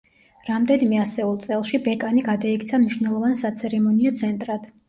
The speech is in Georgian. რამდენიმე ასეულ წელში, ბეკანი გადაიქცა მნიშვნელოვან საცერემონიო ცენტრად.